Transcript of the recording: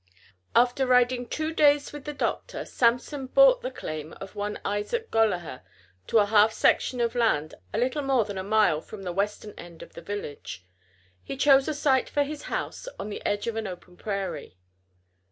After riding two days with the Doctor, Samson bought the claim of one Isaac Gollaher to a half section of land a little more than a mile from the western end of the village. He chose a site for his house on the edge of an open prairie.